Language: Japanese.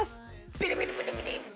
ビリビリビリビリ！